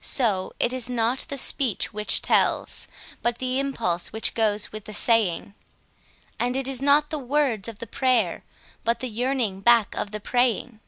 So it is not the speech which tells, but the impulse which goes with the saying; And it is not the words of the prayer, but the yearning back of the praying.